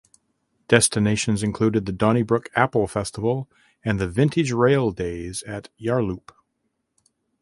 Destinations included the Donnybrook Apple Festival and the Vintage Rail days at Yarloop.